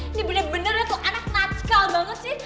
ini bener bener tuh anak natsikal banget sih